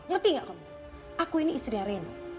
ngerti gak kamu aku ini istrinya reno